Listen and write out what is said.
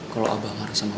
kalau abah marah sama abah